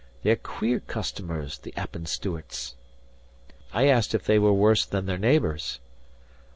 They're queer customers, the Appin Stewarts." I asked if they were worse than their neighbours.